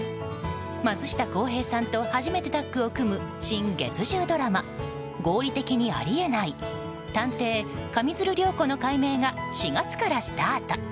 松下洸平さんと初めてタッグを組む新月１０ドラマ「合理的にあり得ない探偵・上水流涼子の解明」が４月からスタート。